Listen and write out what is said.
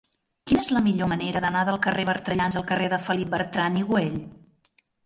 Quina és la millor manera d'anar del carrer de Bertrellans al carrer de Felip Bertran i Güell?